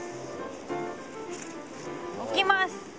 巻きます。